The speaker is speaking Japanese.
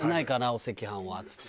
お赤飯はっつって。